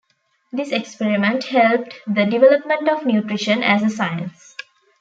This experiment helped the development of nutrition as a science.